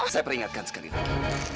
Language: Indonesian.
saya peringatkan sekali lagi